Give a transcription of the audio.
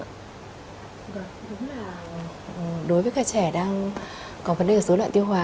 đúng là đối với các trẻ đang có vấn đề dối loạn tiêu hóa